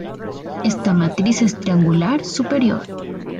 Esta matriz es triangular superior.